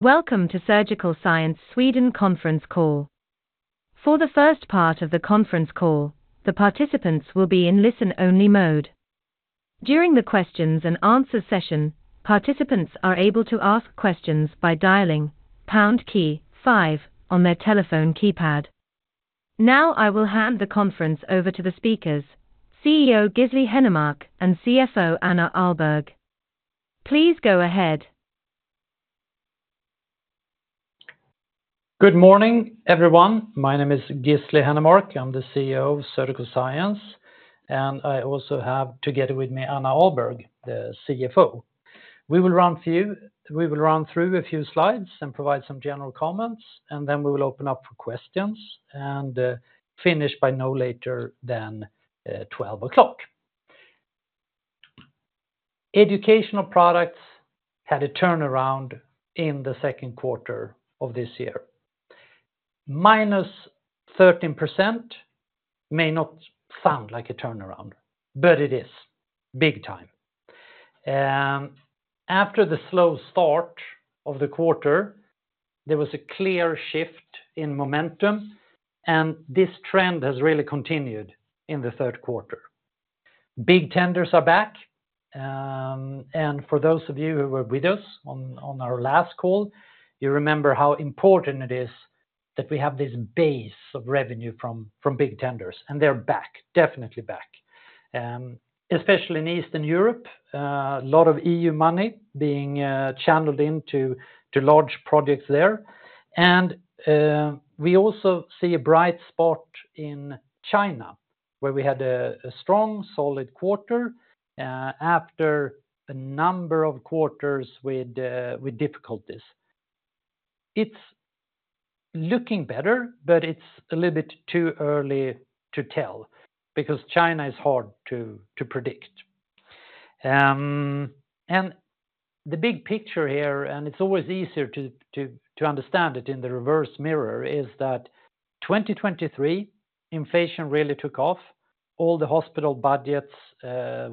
Welcome to Surgical Science Sweden conference call. For the first part of the conference call, the participants will be in listen-only mode. During the questions and answer session, participants are able to ask questions by dialing pound key five on their telephone keypad. Now, I will hand the conference over to the speakers, CEO Gisli Hennermark, and CFO Anna Ahlberg. Please go ahead. Good morning, everyone. My name is Gisli Hennermark. I'm the CEO of Surgical Science, and I also have together with me, Anna Ahlberg, the CFO. We will run through a few slides and provide some general comments, and then we will open up for questions and finish by no later than 12:00. Educational Products had a turnaround in the second quarter of this year. Minus 13% may not sound like a turnaround, but it is, big time. After the slow start of the quarter, there was a clear shift in momentum, and this trend has really continued in the third quarter. Big tenders are back, and for those of you who were with us on our last call, you remember how important it is that we have this base of revenue from big tenders, and they're back. Definitely back. Especially in Eastern Europe, a lot of EU money being channeled into large projects there. And we also see a bright spot in China, where we had a strong, solid quarter after a number of quarters with difficulties. It's looking better, but it's a little bit too early to tell because China is hard to predict. And the big picture here, and it's always easier to understand it in the rearview mirror, is that 2023, inflation really took off. All the hospital budgets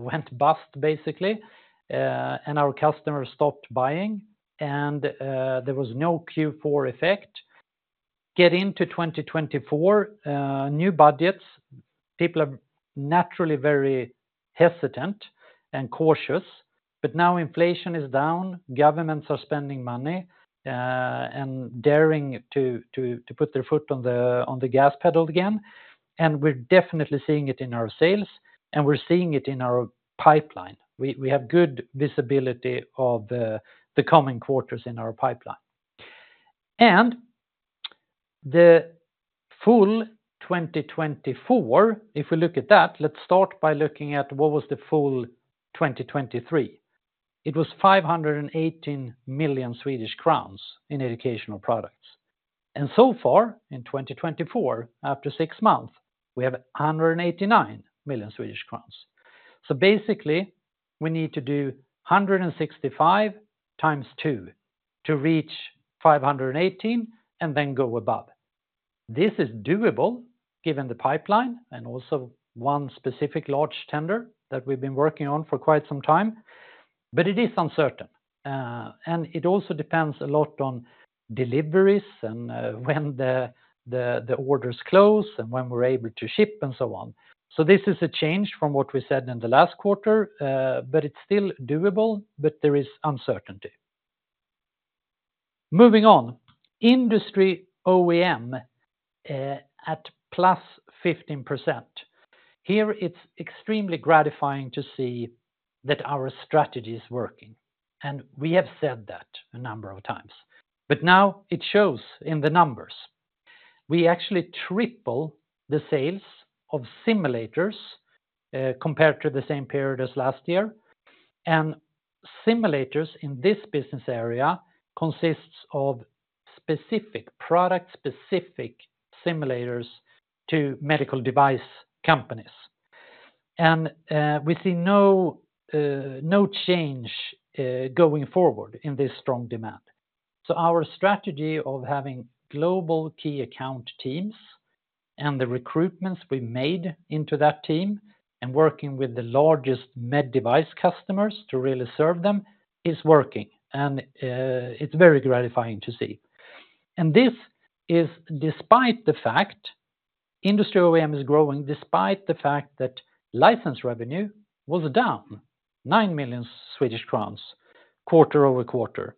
went bust, basically, and our customers stopped buying, and there was no fourth quarter effect. Going into 2024, new budgets, people are naturally very hesitant and cautious, but now inflation is down, governments are spending money, and daring to put their foot on the gas pedal again, and we're definitely seeing it in our sales, and we're seeing it in our pipeline. We have good visibility of the coming quarters in our pipeline. And the full 2023. It was 518 million Swedish crowns in Educational Products. And so far in 2024, after six months, we have 189 million Swedish crowns. So basically, we need to do 165 times two to reach 518, and then go above. This is doable given the pipeline and also one specific large tender that we've been working on for quite some time, but it is uncertain. And it also depends a lot on deliveries and, when the orders close and when we're able to ship and so on. So this is a change from what we said in the last quarter, but it's still doable, but there is uncertainty. Moving on. Industry OEM, at plus 15%. Here, it's extremely gratifying to see that our strategy is working, and we have said that a number of times, but now it shows in the numbers. We actually triple the sales of simulators, compared to the same period as last year. And simulators in this business area consists of specific, product-specific simulators to medical device companies. We see no change going forward in this strong demand. So our strategy of having global key account teams and the recruitments we made into that team, and working with the largest med device customers to really serve them, is working, and it's very gratifying to see. This is despite the fact industry OEM is growing, despite the fact that license revenue was down 9 million Swedish crowns, quarter over quarter.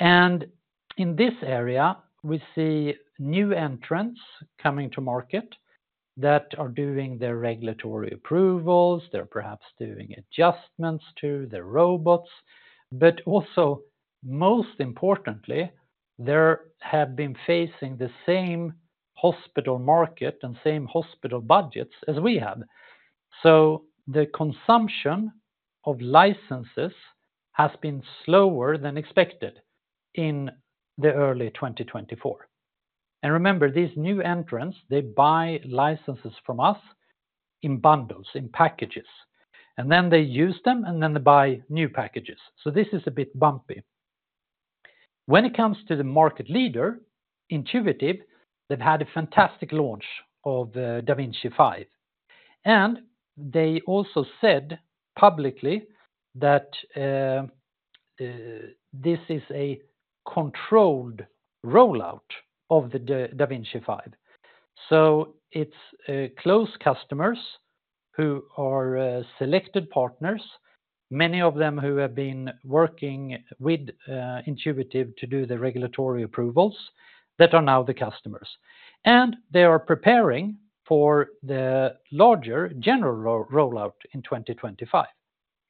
In this area, we see new entrants coming to market that are doing their regulatory approvals. They're perhaps doing adjustments to their robots, but also, most importantly, they have been facing the same hospital market and same hospital budgets as we have. So the consumption of licenses has been slower than expected in the early 2024. Remember, these new entrants, they buy licenses from us in bundles, in packages, and then they use them, and then they buy new packages. This is a bit bumpy. When it comes to the market leader, Intuitive, they've had a fantastic launch of the da Vinci 5. They also said publicly that this is a controlled rollout of the da Vinci 5. It's close customers who are selected partners, many of them who have been working with Intuitive to do the regulatory approvals, that are now the customers. They are preparing for the larger general rollout in twenty twenty five.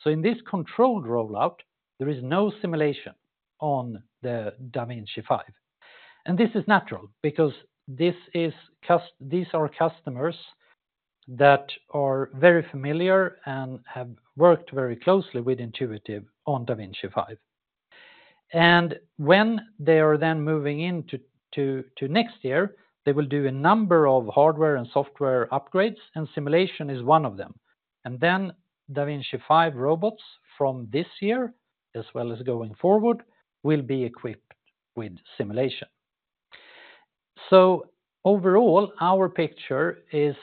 In this controlled rollout, there is no simulation on the da Vinci 5. And this is natural because these are customers that are very familiar and have worked very closely with Intuitive on da Vinci 5. And when they are then moving into next year, they will do a number of hardware and software upgrades, and simulation is one of them. And then da Vinci 5 robots from this year, as well as going forward, will be equipped with simulation. So overall, our picture is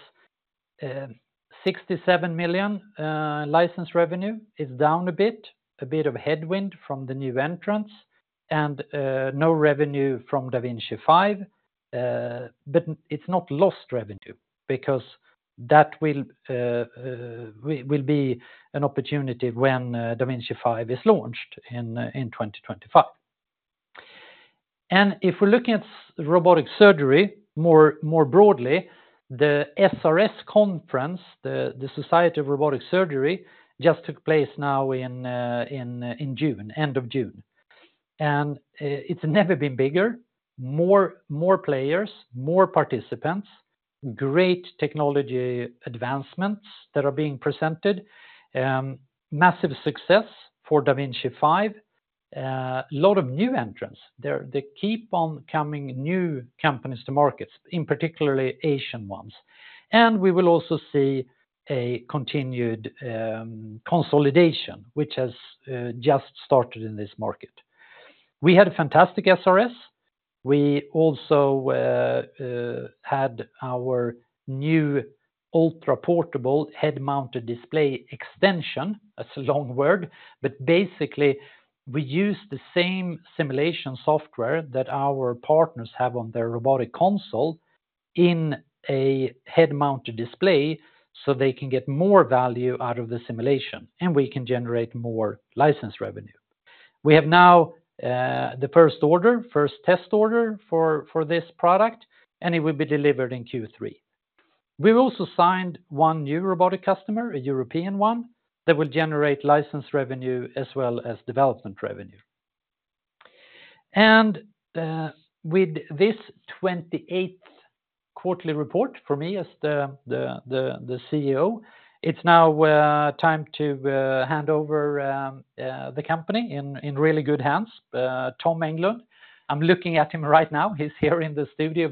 67 million license revenue is down a bit, a bit of headwind from the new entrants, and no revenue from da Vinci 5. But it's not lost revenue because that will be an opportunity when da Vinci 5 is launched in 2025. If we're looking at robotic surgery more broadly, the SRS conference, the Society of Robotic Surgery, just took place now in June, end of June. It's never been bigger, more players, more participants, great technology advancements that are being presented, massive success for da Vinci 5, a lot of new entrants. They keep on coming, new companies to markets, in particular Asian ones. We will also see a continued consolidation, which has just started in this market. We had a fantastic SRS. We also had our new Ultraportable head-mounted display extension. That's a long word, but basically, we use the same simulation software that our partners have on their robotic console in a head-mounted display, so they can get more value out of the simulation, and we can generate more license revenue. We have now the first order, first test order for this product, and it will be delivered in third quarter. We've also signed one new robotic customer, a European one, that will generate license revenue as well as development revenue. And with this 28th quarterly report for me as the CEO, it's now time to hand over the company in really good hands, Tom Englund. I'm looking at him right now. He's here in the studio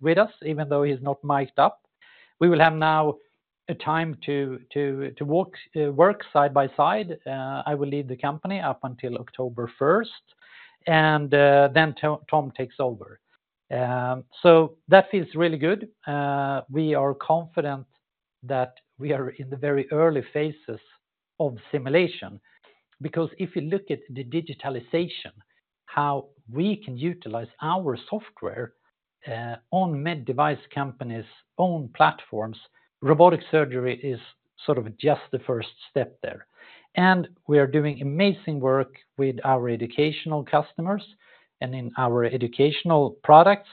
with us, even though he's not miked up. We will have now a time to work side by side. I will lead the company up until 1 October, and then Tom takes over. So that feels really good. We are confident that we are in the very early phases of simulation, because if you look at the digitalization, how we can utilize our software on med device companies' own platforms, robotic surgery is sort of just the first step there. And we are doing amazing work with our educational customers and in our educational products,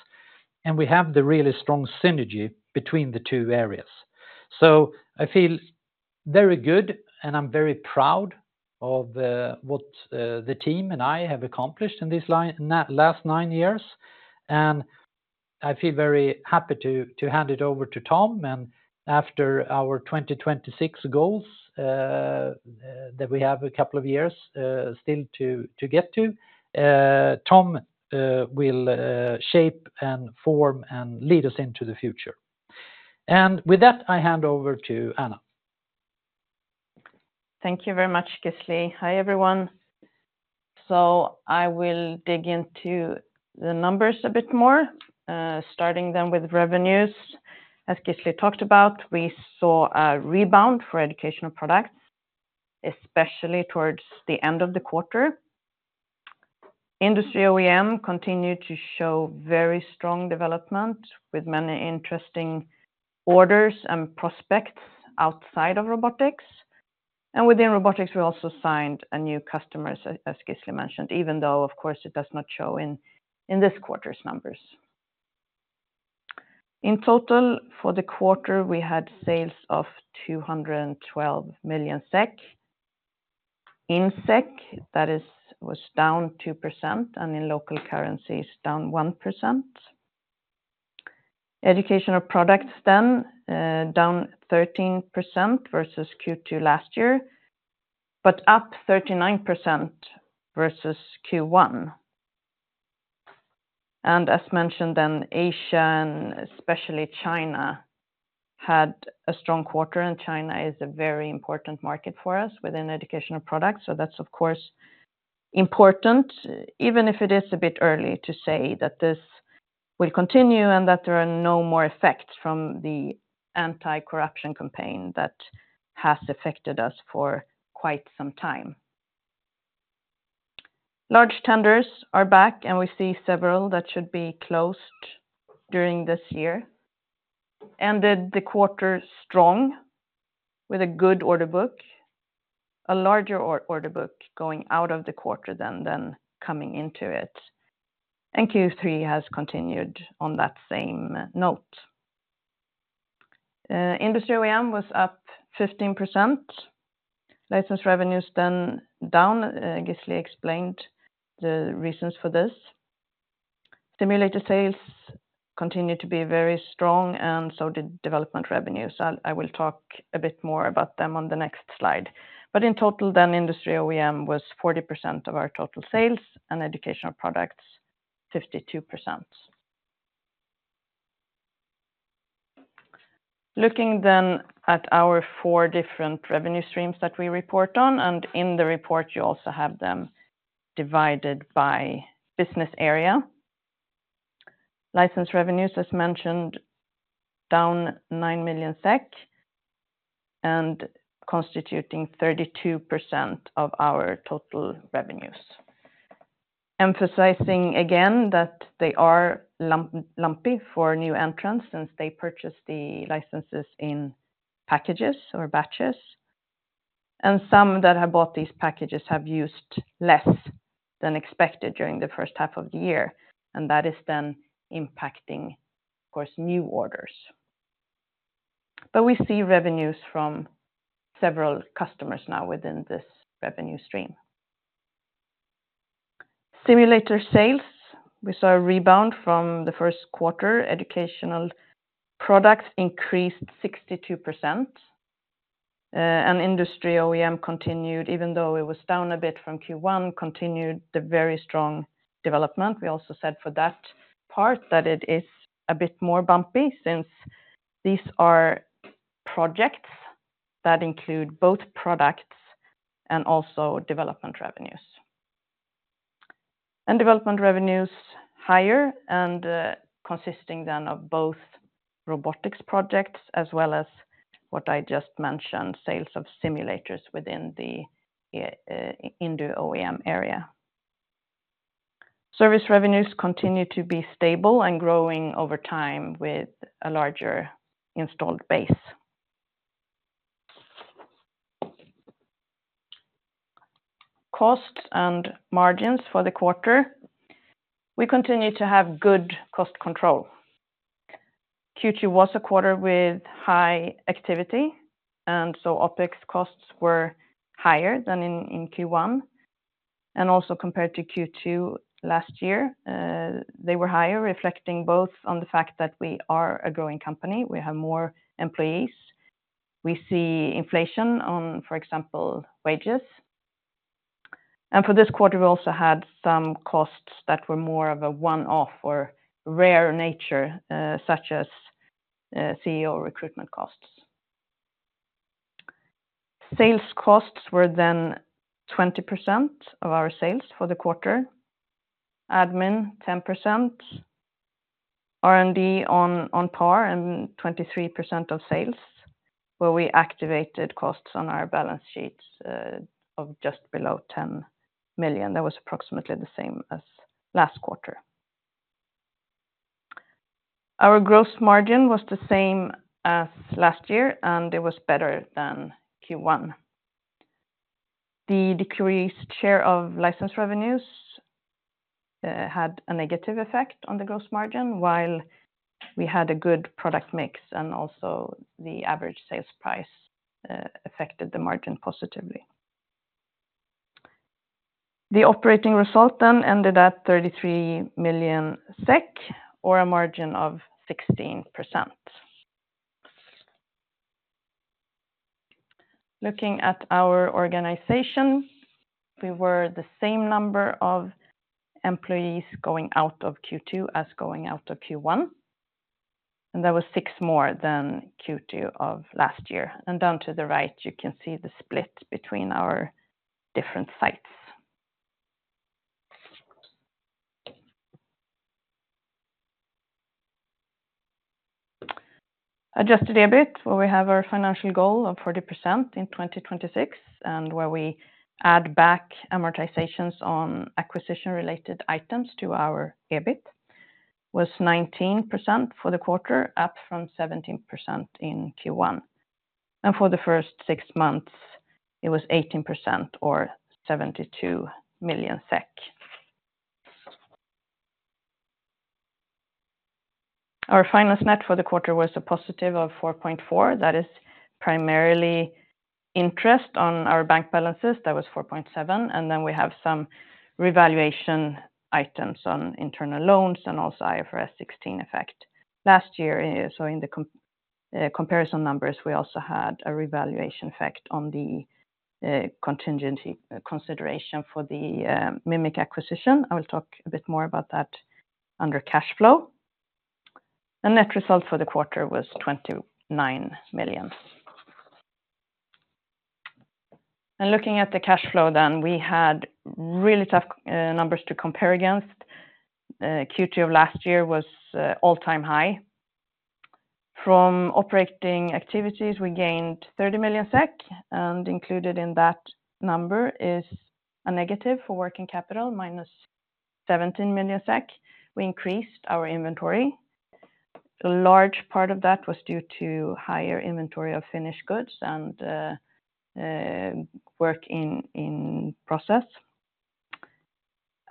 and we have the really strong synergy between the two areas. So I feel very good, and I'm very proud of the team and I have accomplished in these last nine years, and I feel very happy to hand it over to Tom. And after our 2026 goals that we have a couple of years still to get to, Tom will shape and form and lead us into the future. With that, I hand over to Anna. Thank you very much, Gisli. Hi, everyone. So I will dig into the numbers a bit more, starting then with revenues. As Gisli talked about, we saw a rebound for educational products, especially towards the end of the quarter. Industry OEM continued to show very strong development, with many interesting orders and prospects outside of robotics. And within robotics, we also signed a new customer, as Gisli mentioned, even though, of course, it does not show in this quarter's numbers. In total, for the quarter, we had sales of 212 million SEK. In SEK, that is, was down 2%, and in local currencies, down 1%. Educational products then, down 13% versus second quarter last year, but up 39% versus frist quarter. As mentioned, then Asia, and especially China, had a strong quarter, and China is a very important market for us within educational products. So that's of course important, even if it is a bit early to say that this will continue and that there are no more effects from the anti-corruption campaign that has affected us for quite some time. Large tenders are back, and we see several that should be closed during this year. Ended the quarter strong with a good order book, a larger order book going out of the quarter than coming into it, and third quarter has continued on that same note. Industry OEM was up 15%. License revenues then down. Gisli explained the reasons for this. Simulator sales continued to be very strong, and so did development revenues. I will talk a bit more about them on the next slide. But in total, then Industry OEM was 40% of our total sales, and Educational Products, 52%. Looking then at our four different revenue streams that we report on, and in the report, you also have them divided by business area. License revenues, as mentioned, down SEK 9 million and constituting 32% of our total revenues. Emphasizing again, that they are lumpy for new entrants since they purchase the licenses in packages or batches. And some that have bought these packages have used less than expected during the first half of the year, and that is then impacting, of course, new orders. But we see revenues from several customers now within this revenue stream. Simulator sales, we saw a rebound from the first quarter. Educational Products increased 62%, and Industry OEM continued, even though it was down a bit from first quarter, continued the very strong development. We also said for that part that it is a bit more bumpy since these are projects that include both products and also development revenues. And development revenues higher and, consisting then of both robotics projects as well as what I just mentioned, sales of simulators within the, Industry OEM area. Service revenues continue to be stable and growing over time with a larger installed base. Costs and margins for the quarter. We continue to have good cost control. second quarter was a quarter with high activity, and so OpEx costs were higher than in first quarter, and also compared to second quarter last year. They were higher, reflecting both on the fact that we are a growing company, we have more employees. We see inflation on, for example, wages. And for this quarter, we also had some costs that were more of a one-off or rare nature, such as CEO recruitment costs. Sales costs were then 20% of our sales for the quarter, admin, 10%, R&D on par, and 23% of sales, where we activated costs on our balance sheets, of just below 10 million. That was approximately the same as last quarter. Our gross margin was the same as last year, and it was better than first quarter. The decreased share of license revenues had a negative effect on the gross margin, while we had a good product mix, and also the average sales price affected the margin positively. The operating result then ended at 33 million SEK or a margin of 16%. Looking at our organization, we were the same number of employees going out of second quarter as going out of first quarter, and there was six more than second quarter of last year, and down to the right, you can see the split between our different sites. Adjusted EBIT, where we have our financial goal of 40% in 2026, and where we add back amortizations on acquisition-related items to our EBIT, was 19% for the quarter, up from 17% in first quarter, and for the first six months, it was 18% or 72 million SEK. Our finance net for the quarter was a positive of 4.4 million. That is primarily interest on our bank balances. That was 4.7 million, and then we have some revaluation items on internal loans and also IFRS 16 effect. Last year, so in the comparison numbers, we also had a revaluation effect on the contingent consideration for the Mimic acquisition. I will talk a bit more about that under cash flow. Net result for the quarter was 29 million. Looking at the cash flow then, we had really tough numbers to compare against. second quarter of last year was all-time high. From operating activities, we gained 30 million SEK, and included in that number is a negative for working capital, minus 17 million SEK. We increased our inventory. A large part of that was due to higher inventory of finished goods and work in process.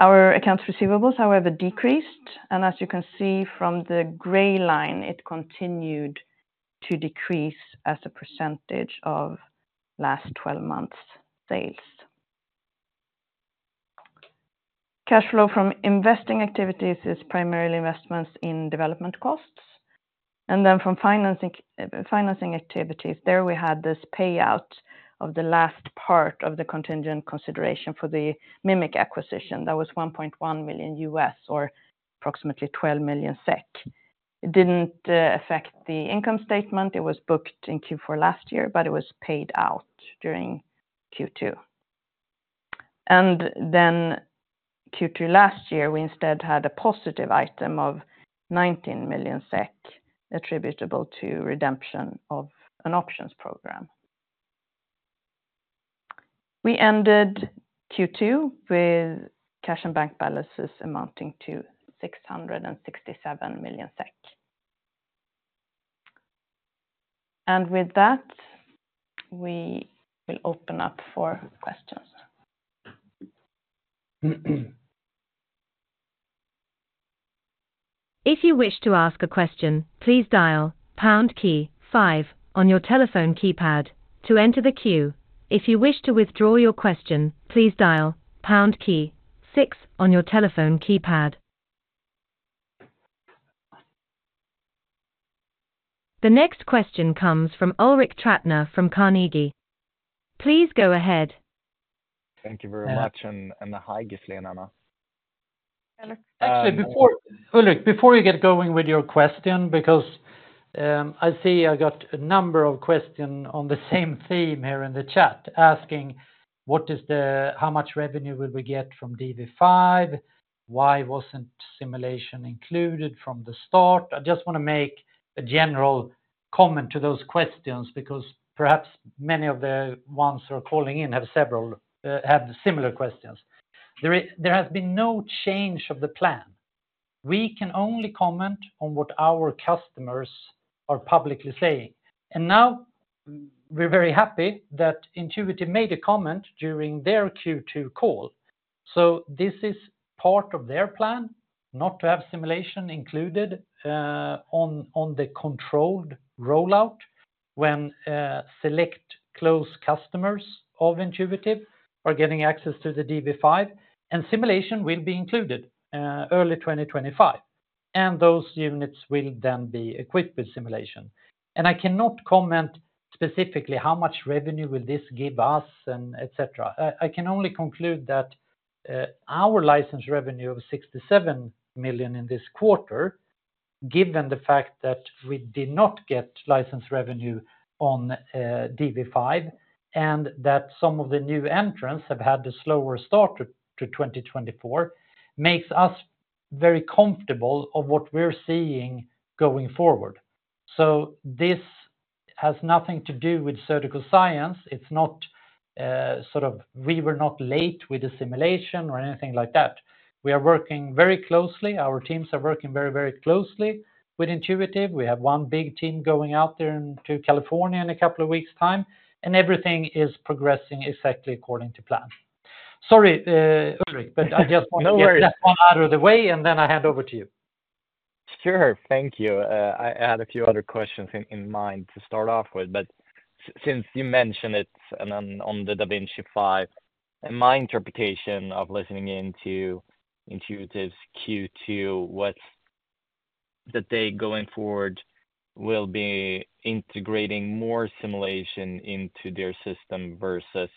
Our accounts receivable, however, decreased, and as you can see from the gray line, it continued to decrease as a percentage of last 12 months' sales. Cash flow from investing activities is primarily investments in development costs, and then from financing, financing activities, there we had this payout of the last part of the contingent consideration for the Mimic acquisition. That was $1.1 million, or approximately 12 million SEK. It didn't affect the income statement. It was booked in fourth quarter last year, but it was paid out during second quarter. Second quarter last year, we instead had a positive item of 19 million SEK, attributable to redemption of an options program. We ended second with cash and bank balances amounting to 667 million SEK. With that, we will open up for questions. If you wish to ask a question, please dial pound key five on your telephone keypad to enter the queue. If you wish to withdraw your question, please dial pound key six on your telephone keypad. The next question comes from Ulrik Trattner from Carnegie. Please go ahead. Thank you very much, and hi, Gisli, Anna. Hello. Actually, before, Ulrik, before you get going with your question, because I see I got a number of questions on the same theme here in the chat, asking, how much revenue will we get from DV5? Why wasn't simulation included from the start? I just wanna make a general comment to those questions, because perhaps many of the ones who are calling in have several similar questions. There has been no change of the plan. We can only comment on what our customers are publicly saying. And now, we're very happy that Intuitive made a comment during their second quarter call. So this is part of their plan, not to have simulation included on the controlled rollout, when select close customers of Intuitive are getting access to the DV5, and simulation will be included early 2025, and those units will then be equipped with simulation. And I cannot comment specifically how much revenue will this give us and et cetera. I can only conclude that our license revenue of 67 million in this quarter, given the fact that we did not get license revenue on DV5, and that some of the new entrants have had a slower start to 2024, makes us very comfortable of what we're seeing going forward. So this has nothing to do with Surgical Science. It's not sort of we were not late with the simulation or anything like that. We are working very closely. Our teams are working very, very closely with Intuitive. We have one big team going out there into California in a couple of weeks' time, and everything is progressing exactly according to plan. Sorry, Ulrik, but I just... No worries... want to get that one out of the way, and then I hand over to you. Sure. Thank you. I had a few other questions in mind to start off with, but since you mentioned it, and on the da Vinci 5, and my interpretation of listening in to Intuitive's second quarter, what's that they, going forward, will be integrating more simulation into their system versus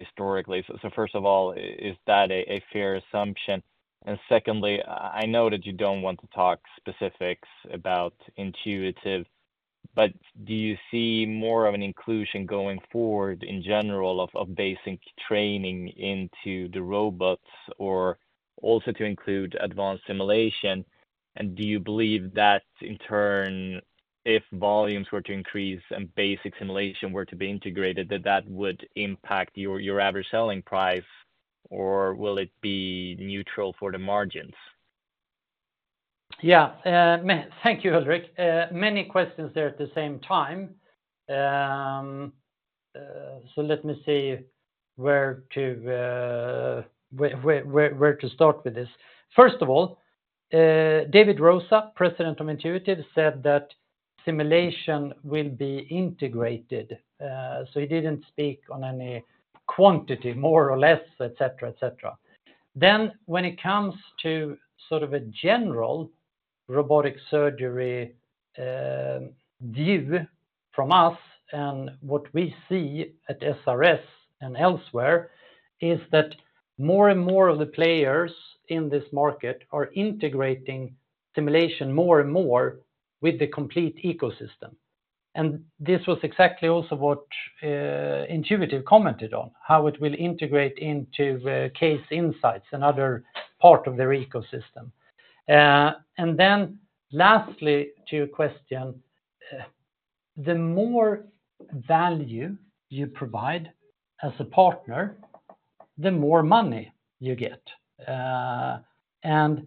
historically. So first of all, is that a fair assumption? And secondly, I know that you don't want to talk specifics about Intuitive, but do you see more of an inclusion going forward in general of basic training into the robots, or also to include advanced simulation? And do you believe that in turn, if volumes were to increase and basic simulation were to be integrated, that that would impact your average selling price, or will it be neutral for the margins? Yeah, thank you, Ulrik. Many questions there at the same time. So let me see where to start with this. First of all, David Rosa, president of Intuitive, said that simulation will be integrated, so he didn't speak on any quantity, more or less, et cetera, et cetera. Then, when it comes to sort of a general robotic surgery view from us and what we see at SRS and elsewhere, is that more and more of the players in this market are integrating simulation more and more with the complete ecosystem. And this was exactly also what Intuitive commented on, how it will integrate into Case Insights and other part of their ecosystem. And then lastly, to your question, the more value you provide as a partner, the more money you get. And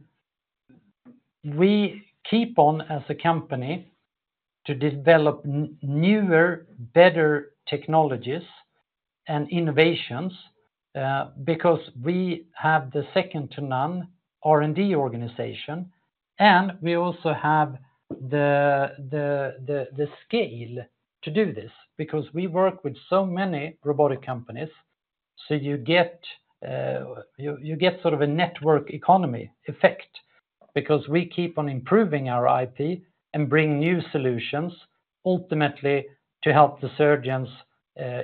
we keep on, as a company, to develop newer, better technologies and innovations, because we have the second to none R&D organization, and we also have the scale to do this because we work with so many robotic companies. So you get sort of a network economy effect because we keep on improving our IP and bring new solutions ultimately to help the surgeons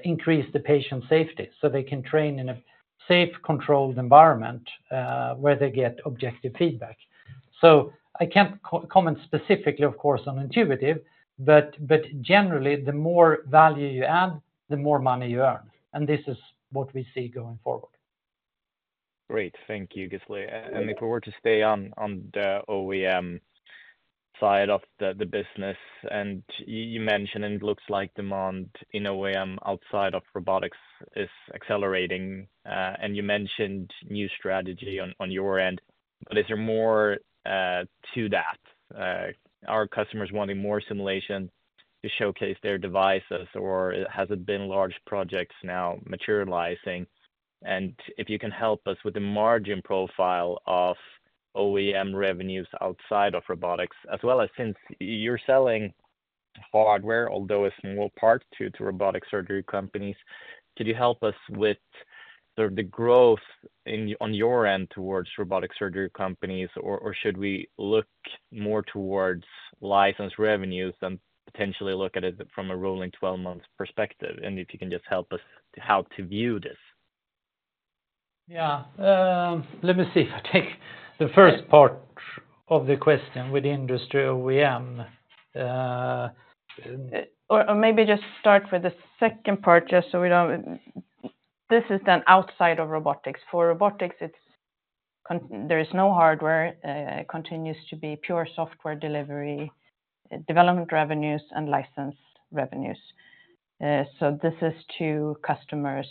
increase the patient safety, so they can train in a safe, controlled environment where they get objective feedback. So I can't comment specifically, of course, on Intuitive, but generally, the more value you add, the more money you earn, and this is what we see going forward. Great. Thank you, Gisli. And if we were to stay on the OEM side of the business, and you mentioned, and it looks like demand in OEM outside of robotics is accelerating, and you mentioned new strategy on your end. But is there more to that? Are customers wanting more simulation to showcase their devices, or has it been large projects now materializing? And if you can help us with the margin profile of OEM revenues outside of robotics, as well as since you're selling hardware, although a small part to robotic surgery companies, could you help us with the growth on your end towards robotic surgery companies? Or should we look more towards license revenues and potentially look at it from a rolling twelve-month perspective? And if you can just help us with how to view this. Yeah, let me see if I take the first part of the question with industry OEM. Maybe just start with the second part, just so we don't. This is then outside of robotics. For robotics, there is no hardware. It continues to be pure software delivery, development revenues, and license revenues. So this is to customers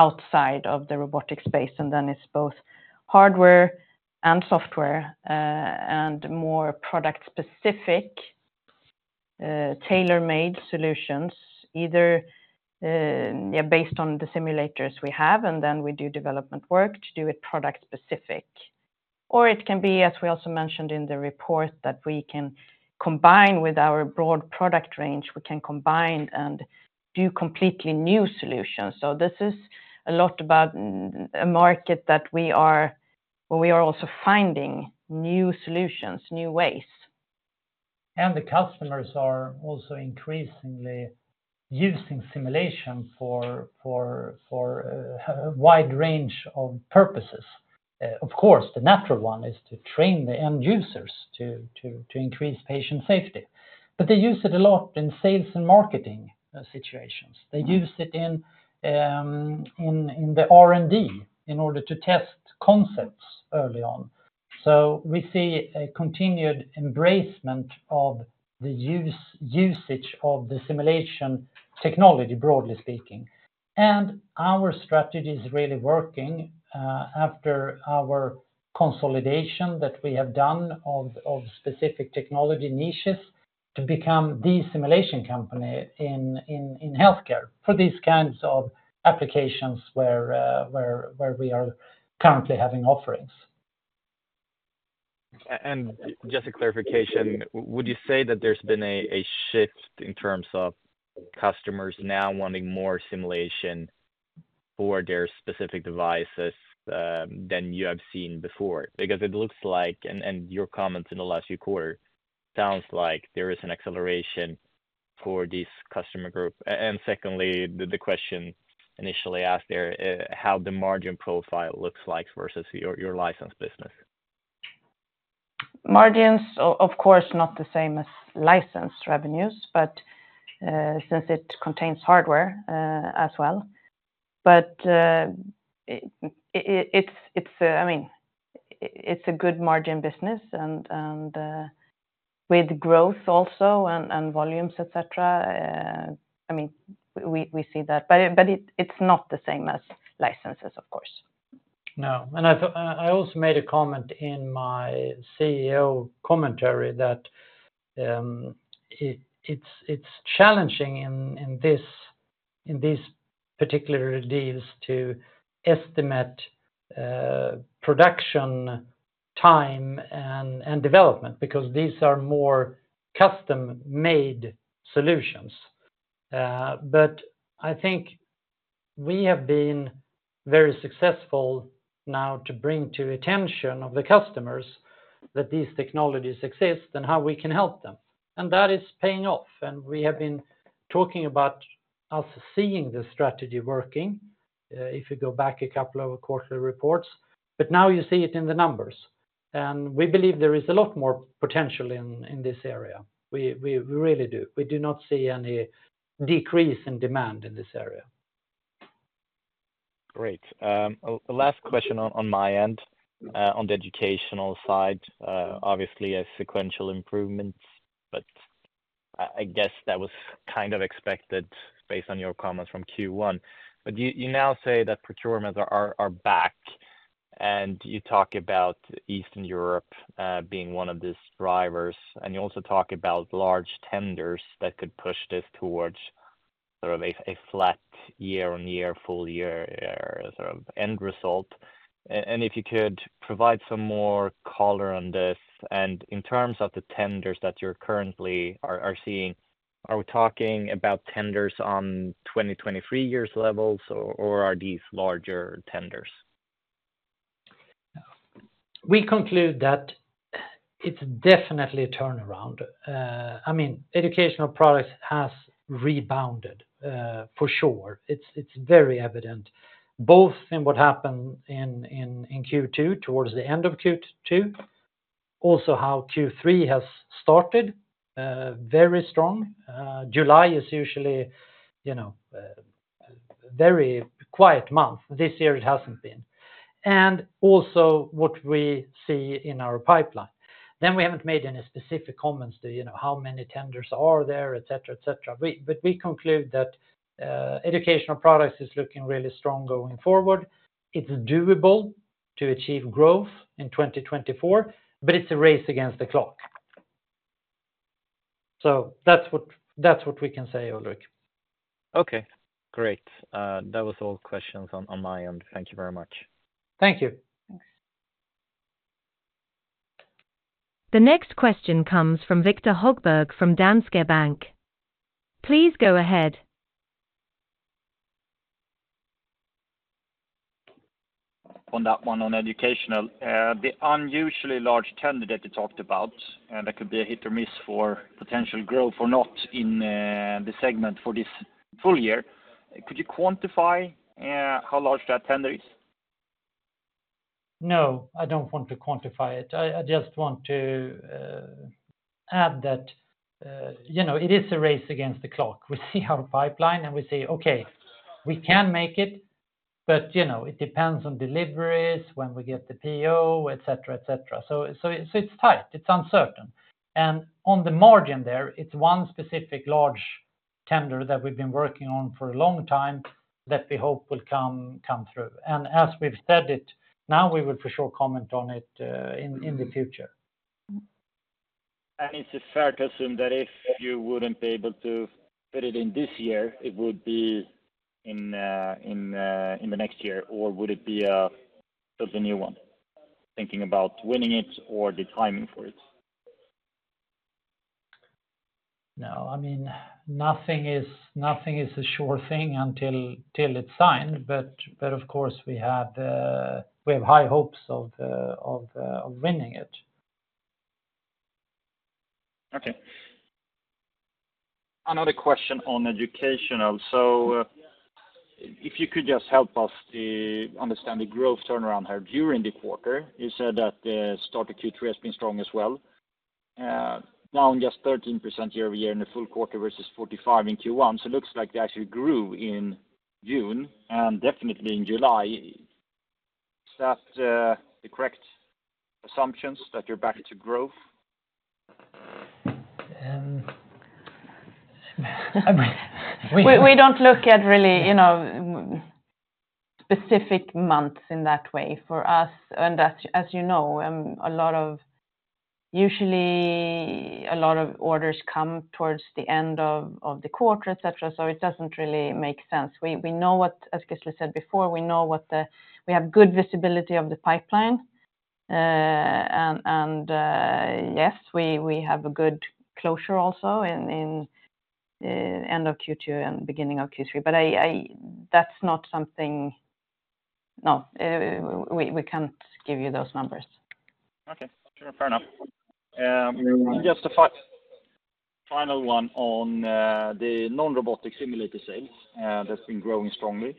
outside of the robotic space, and then it is both hardware and software, and more product-specific, tailor-made solutions, either yeah, based on the simulators we have, and then we do development work to do it product-specific. Or it can be, as we also mentioned in the report, that we can combine with our broad product range, we can combine and do completely new solutions. So this is a lot about a market that we are, where we are also finding new solutions, new ways. And the customers are also increasingly using simulation for a wide range of purposes. Of course, the natural one is to train the end users to increase patient safety, but they use it a lot in sales and marketing situations. They use it in the R&D in order to test concepts early on. So we see a continued embracement of the usage of the simulation technology, broadly speaking. And our strategy is really working, after our consolidation that we have done of specific technology niches to become the simulation company in healthcare for these kinds of applications where we are currently having offerings. And just a clarification, would you say that there's been a shift in terms of customers now wanting more simulation for their specific devices than you have seen before? Because it looks like, and your comments in the last few quarter, sounds like there is an acceleration for this customer group. And secondly, the question initially asked there, how the margin profile looks like versus your license business. Margins, of course, not the same as license revenues, but since it contains hardware as well. But it's a good margin business and with growth also and volumes, et cetera. I mean, we see that. But it's not the same as licenses, of course. No. And I also made a comment in my CEO commentary that it's challenging in these particular deals to estimate production time and development because these are more custom-made solutions. But I think we have been very successful now to bring to attention of the customers that these technologies exist and how we can help them, and that is paying off. And we have been talking about us seeing the strategy working. If you go back a couple of quarterly reports, but now you see it in the numbers, and we believe there is a lot more potential in this area. We really do. We do not see any decrease in demand in this area. Great. The last question on my end, on the educational side, obviously a sequential improvements, but I guess that was kind of expected based on your comments from first quarter. But you now say that procurements are back, and you talk about Eastern Europe being one of these drivers, and you also talk about large tenders that could push this towards sort of a flat year-on-year, full year, sort of end result. And if you could provide some more color on this, and in terms of the tenders that you're currently seeing, are we talking about tenders on 2023 year levels, or are these larger tenders? We conclude that it's definitely a turnaround. I mean, educational products has rebounded, for sure. It's very evident, both in what happened in second quarter, towards the end of second quarter, also how third quarter has started, very strong. July is usually, you know, very quiet month. This year, it hasn't been, and also what we see in our pipeline. Then we haven't made any specific comments to, you know, how many tenders are there, et cetera, et cetera. But we conclude that, educational products is looking really strong going forward. It's doable to achieve growth in 2024, but it's a race against the clock. So that's what we can say, Ulrik. Okay, great. That was all questions on my end. Thank you very much. Thank you. Thanks. The next question comes from Victor Högberg from Danske Bank. Please go ahead. On that one, on educational, the unusually large tender that you talked about, and that could be a hit or miss for potential growth or not in, the segment for this full year. Could you quantify, how large that tender is? No, I don't want to quantify it. I just want to add that, you know, it is a race against the clock. We see our pipeline, and we say, okay, we can make it, but, you know, it depends on deliveries, when we get the PO, et cetera, et cetera. So it's tight. It's uncertain. And on the margin there, it's one specific large tender that we've been working on for a long time that we hope will come through. And as we've said it, now we will for sure comment on it in the future. It's fair to assume that if you wouldn't be able to fit it in this year, it would be in the next year, or would it be just a new one? Thinking about winning it or the timing for it. No, I mean, nothing is a sure thing until it's signed, but of course, we have high hopes of winning it. Okay. Another question on educational. So if you could just help us to understand the growth turnaround here during the quarter. You said that the start of third quarter has been strong as well. Now just 13% year-over-year in the full quarter versus 45% in first quarter, so looks like they actually grew in June and definitely in July. Is that the correct assumptions that you're back to growth? I mean. We don't look at really, you know, specific months in that way for us, and as you know, usually a lot of orders come towards the end of the quarter, et cetera, so it doesn't really make sense. As Chris said before, we know what the... We have good visibility of the pipeline. Yes, we have a good closure also in end of second quarter and beginning of third quarter, but that's not something, no, we can't give you those numbers. Okay, fair enough. Just a final one on the non-robotic simulator sales that's been growing strongly.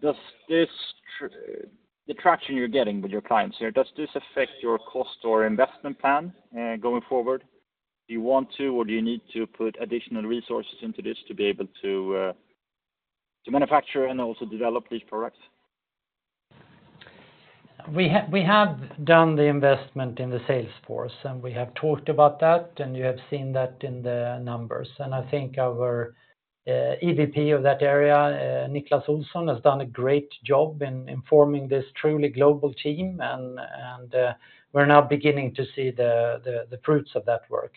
Does the traction you're getting with your clients here affect your cost or investment plan going forward? Do you want to or do you need to put additional resources into this to be able to manufacture and also develop these products? We have done the investment in the sales force, and we have talked about that, and you have seen that in the numbers. I think our EVP of that area, Niklas Olsson, has done a great job in forming this truly global team, and we're now beginning to see the fruits of that work.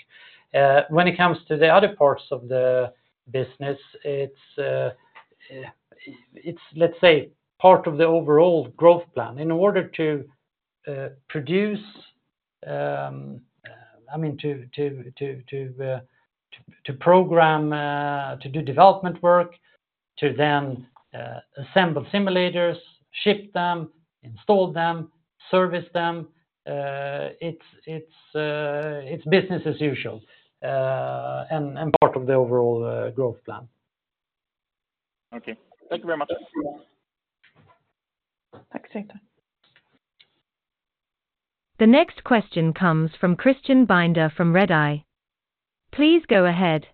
When it comes to the other parts of the business, it's, let's say, part of the overall growth plan. In order to produce, I mean, to program, to do development work, to then assemble simulators, ship them, install them, service them, it's business as usual, and part of the overall growth plan. Okay. Thank you very much. The next question comes from Christian Binder from Redeye. Please go ahead.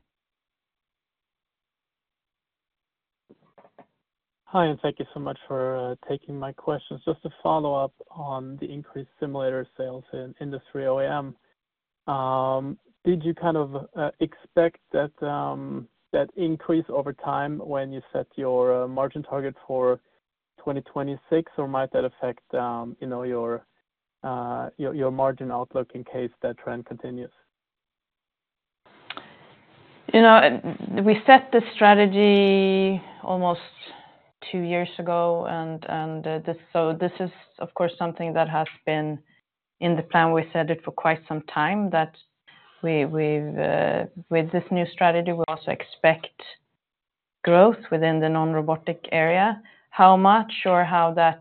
Hi, and thank you so much for taking my questions. Just to follow up on the increased simulator sales in Industry OEM. Did you kind of expect that increase over time when you set your margin target for 2026, or might that affect, you know, your margin outlook in case that trend continues? You know, we set the strategy almost two years ago, and this is, of course, something that has been in the plan. We set it for quite some time, that we've with this new strategy, we also expect growth within the non-robotic area. How much or how that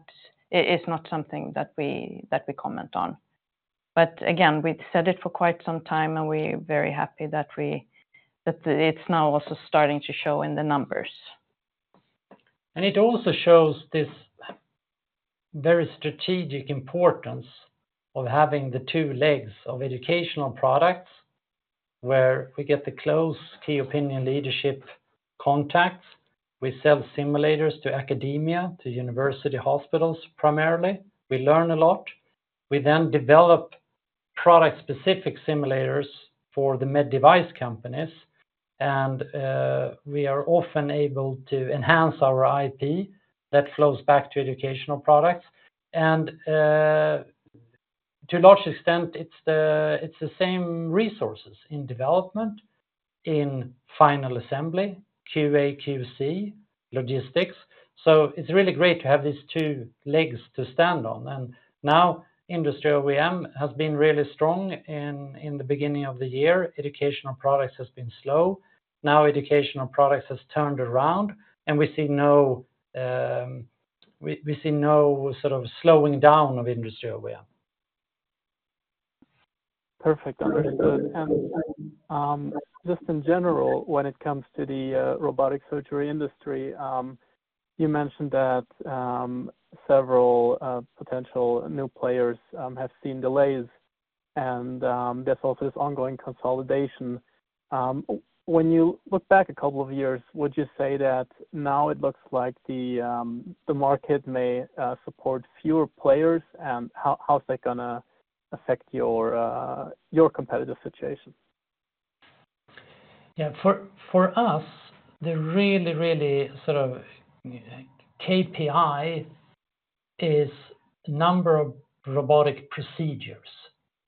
is not something that we comment on. But again, we've said it for quite some time, and we're very happy that it's now also starting to show in the numbers. It also shows this very strategic importance of having the two legs of Educational Products, where we get the close key opinion leadership contacts. We sell simulators to academia, to university hospitals, primarily. We learn a lot. We then develop product-specific simulators for the med device companies, and we are often able to enhance our IP that flows back to Educational Products. And, to a large extent, it's the same resources in development, in final assembly, QA, QC, logistics. So it's really great to have these two legs to stand on. And now, Industry OEM has been really strong in the beginning of the year. Educational Products has been slow. Now, Educational Products has turned around, and we see no sort of slowing down of Industry OEM. Perfect. Understood. And just in general, when it comes to the robotic surgery industry, you mentioned that several potential new players have seen delays, and there's also this ongoing consolidation. When you look back a couple of years, would you say that now it looks like the market may support fewer players? And how is that gonna affect your competitive situation? Yeah, for us, the really, really sort of KPI is number of robotic procedures.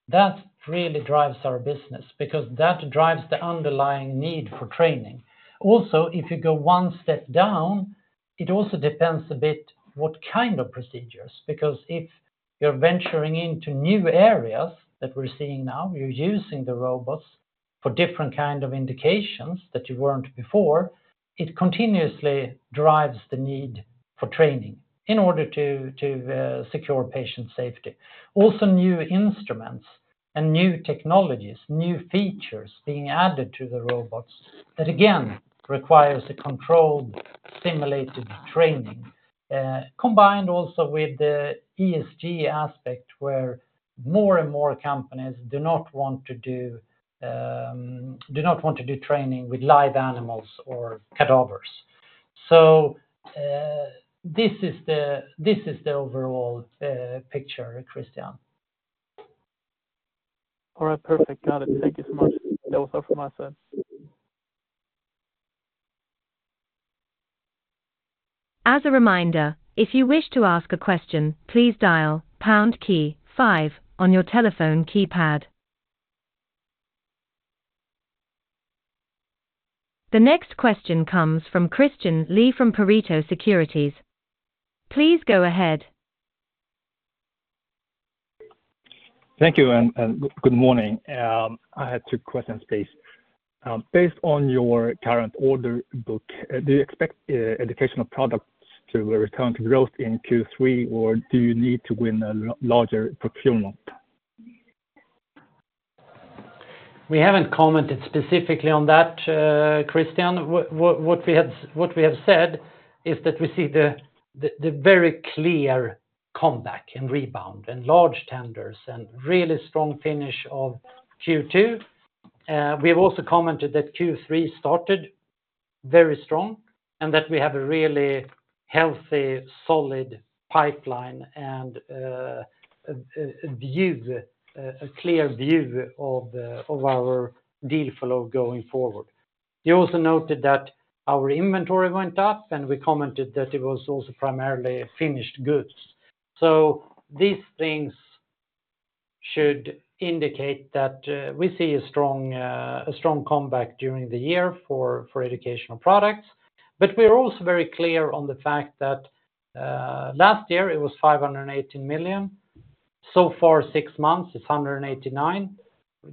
That really drives our business because that drives the underlying need for training. Also, if you go one step down, it also depends a bit what kind of procedures, because if you're venturing into new areas that we're seeing now, you're using the robots for different kind of indications that you weren't before, it continuously drives the need for training in order to secure patient safety. Also, new instruments and new technologies, new features being added to the robots, that, again, requires a controlled, simulated training combined also with the ESG aspect, where more and more companies do not want to do training with live animals or cadavers. So, this is the overall picture, Christian. All right, perfect. Got it. Thank you so much. That was all from my side. As a reminder, if you wish to ask a question, please dial pound key five on your telephone keypad. The next question comes from Christian Lee from Pareto Securities. Please go ahead. Thank you, and good morning. I had two questions, please. Based on your current order book, do you expect educational products to return to growth in third quarter, or do you need to win a larger procurement? We haven't commented specifically on that, Christian. What we have said is that we see the very clear comeback and rebound and large tenders and really strong finish of second quarter. We have also commented that third quarter started very strong and that we have a really healthy, solid pipeline and a clear view of our deal flow going forward. You also noted that our inventory went up, and we commented that it was also primarily finished goods. So these things should indicate that we see a strong comeback during the year for educational products. But we are also very clear on the fact that last year it was 518 million. So far, six months, it's 189 million.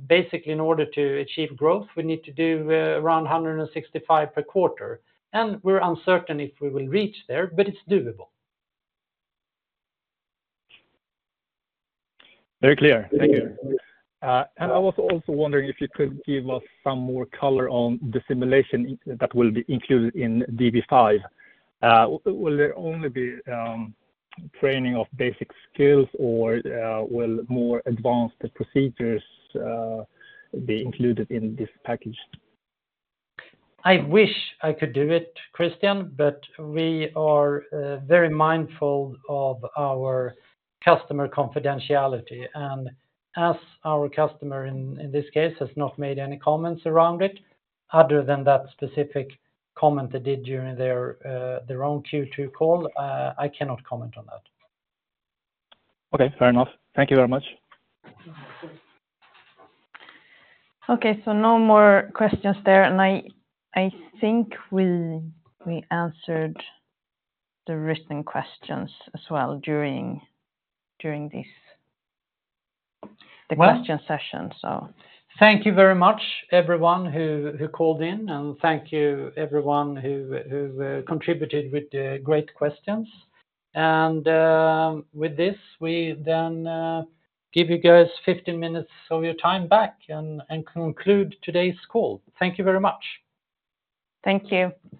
Basically, in order to achieve growth, we need to do around 165 million per quarter, and we're uncertain if we will reach there, but it's doable. Very clear. Thank you, and I was also wondering if you could give us some more color on the simulation that will be included in DV5. Will there only be training of basic skills, or will more advanced procedures be included in this package? I wish I could do it, Christian, but we are very mindful of our customer confidentiality, and as our customer in this case has not made any comments around it, other than that specific comment they did during their own second quarter call, I cannot comment on that. Okay, fair enough. Thank you very much. Okay, so no more questions there, and I think we answered the written questions as well during this, the question session, so. Thank you very much, everyone who called in, and thank you, everyone who contributed with the great questions, and with this, we then give you guys 15 minutes of your time back and conclude today's call. Thank you very much. Thank you.